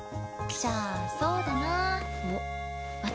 じゃあそうだな。